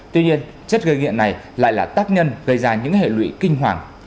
tuy nhiên chất gây nghiện này lại là tác nhân gây ra những hệ lụy kinh hoàng